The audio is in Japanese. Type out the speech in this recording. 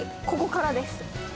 ここからです